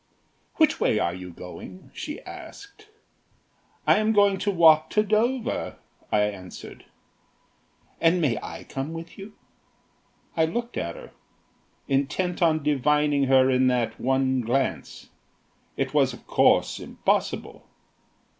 "Which way are you going?" she asked. "I am going to walk to Dover," I answered. "And I may come with you?" I looked at her intent on divining her in that one glance. It was of course impossible.